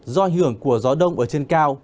do hưởng của gió đông ở trên cao